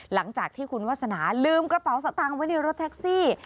หลังจากที่คุณวาสนาลืมกระเป๋าสตางค์ไว้ในรถแท็กซี่